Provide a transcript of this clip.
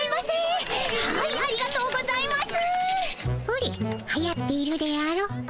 ほれはやっているであろ？